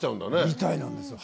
みたいなんですよ。